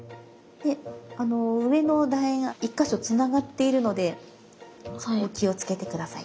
で上のだ円一か所つながっているのでそこを気をつけて下さい。